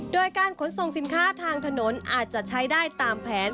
โดยการขนส่งสินค้าทางถนนอาจจะใช้ได้ตามแผน